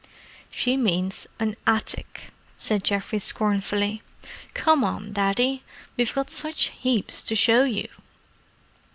"She means an attic," said Geoffrey scornfully. "Come on, Daddy. We've got such heaps to show you."